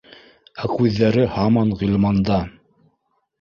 Ә күҙҙәре һаман Ғилманда